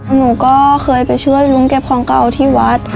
หนูก็เคยไปช่วยลุงเก็บของเก่าที่วัด